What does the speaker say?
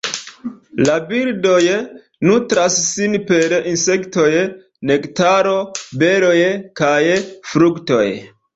La birdoj nutras sin per insektoj, nektaro, beroj kaj fruktoj.